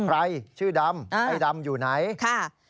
ใครชื่อดำไอ้ดำอยู่ไหนค่ะ